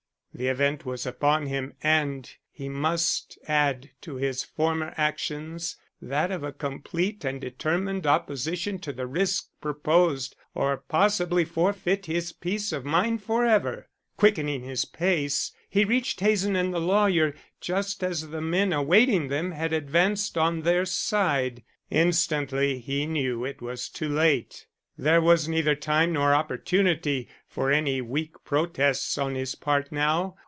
The event was upon him and he must add to his former actions that of a complete and determined opposition to the risk proposed or possibly forfeit his peace of mind forever. Quickening his pace, he reached Hazen and the lawyer just as the men awaiting them had advanced on their side. Instantly he knew it was too late. There was neither time nor opportunity for any weak protests on his part now.